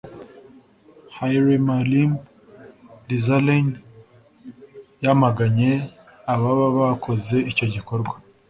Hailemarim Desalegn yamaganye ababa bakoze icyo gikorwa